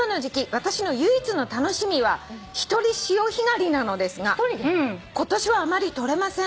私の唯一の楽しみは一人潮干狩りなのですが今年はあまり採れません」